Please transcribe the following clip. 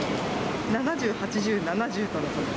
７０、８０、７０とのこと。